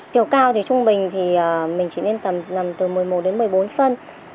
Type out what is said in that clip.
tiểu cao thì trung bình thì mình chỉ nên tầm nằm từ một mươi một đến một mươi bốn phân